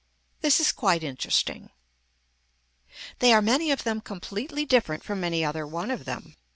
This is quite interesting. They are many of them completely different from any other one of them.